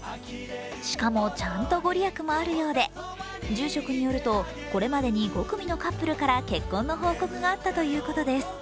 しかも、ちゃんとご利益もあるようで住職によるとこれまでに５組のカップルから結婚の報告があったということです。